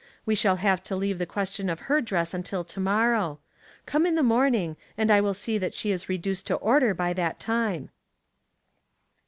We shall have to leave the question of her dress until to morrow. Come in the morn ing, and I will see that she is reduced to order by that time."